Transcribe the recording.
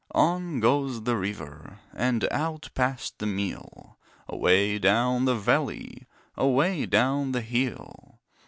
On goes the river And out past the mill, Away down the valley, Away down the hill.